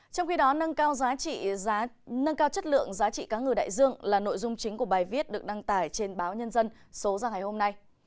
trong khi đó nâng cao chất lượng giá trị cá ngừa đại dương là nội dung chính của bài viết được đăng tải trên báo nhân dân số ra ngày hôm nay